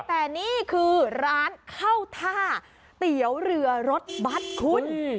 แต่นี่คือร้านเข้าท่าเตี๋ยวเรือรถบัตรคุณ